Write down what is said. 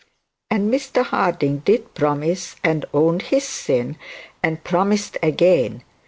And Mr Harding did promise, and owned his sin, and promised again.